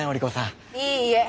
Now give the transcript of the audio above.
いいえ。